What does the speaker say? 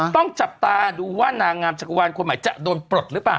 ต้องจับตาดูว่านางงามจักรวาลคนใหม่จะโดนปลดหรือเปล่า